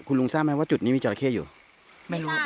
คุณลุงทราบไหมว่าจุดนี้มีสุสิตร์เตรียดโจราเข้อยู่